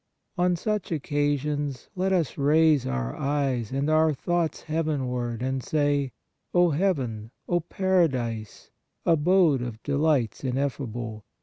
On such occasions let us raise our eyes and our thoughts heavenward and say : O Heaven, O Para dise, Abode of delights ineffable